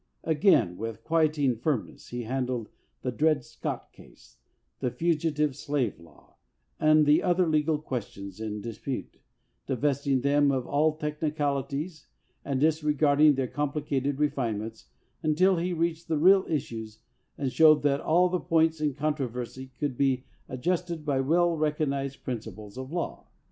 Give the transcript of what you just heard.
Again with quieting firmness he handled the Dred Scott case, the Fugitive Slave Law, and the other legal questions in dispute, divesting them of all technicalities and disregarding their com plicated refinements until he reached the real issues and showed that all the points in contro versy could be adjusted by well recognized prin 296 AS PRESIDENT ciples of law.